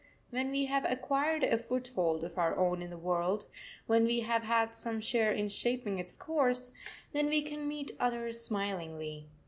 When we have acquired a foothold of our own in the world, when we have had some share in shaping its course, then we can meet others smilingly.